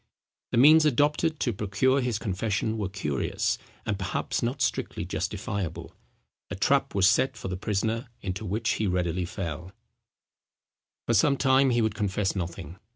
The means adopted to procure his confession were curious, and perhaps not strictly justifiable. A trap was set for the prisoner into which he readily fell. For some time he would confess nothing.